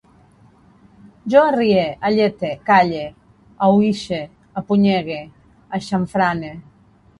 Jo arrie, allete, calle, aüixe, apunyegue, aixamfrane